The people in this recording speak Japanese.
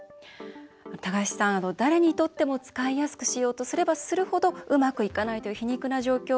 高橋さん、誰にとっても使いやすくしようとすればするほどうまくいかないという皮肉な状況。